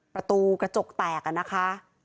ประตูกระจกแตกอะนะคะ